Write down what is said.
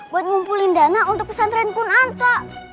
buat ngumpulin dana untuk pesantren kun anta